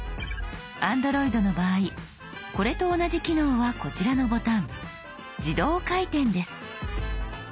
Ａｎｄｒｏｉｄの場合これと同じ機能はこちらのボタン「自動回転」です。